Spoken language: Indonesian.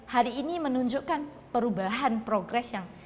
hari ini menunjukkan perubahan progres yang sangat baik